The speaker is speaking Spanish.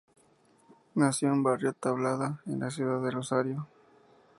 Nació en barrio Tablada, en la ciudad de Rosario.